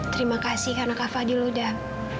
terima kasih karena kak fadil ludah